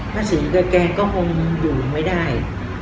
ศรีกับแกก็คงอยู่ไม่ได้